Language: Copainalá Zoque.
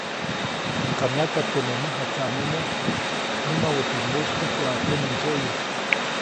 ʼUka myaka teʼmä mäjatsaʼmomo, nämawä teʼ nyuʼstäjk waʼa temä ndsyäʼyu.